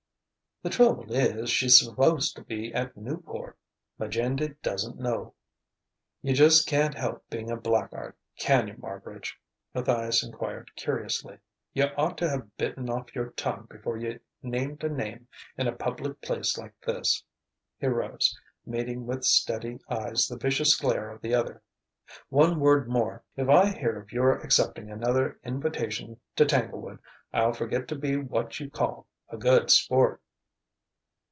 "The trouble is, she's supposed to be at Newport. Majendie doesn't know " "You just can't help being a blackguard, can you, Marbridge?" Matthias enquired curiously. "You ought to have bitten off your tongue before you named a name in a public place like this." He rose, meeting with steady eyes the vicious glare of the other. "One word more: if I hear of your accepting another invitation to Tanglewood, I'll forget to be what you call 'a good sport'."